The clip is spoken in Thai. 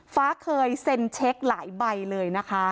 ฟ้าเคยเซ็นเช็คหลายใบเลยนะคะ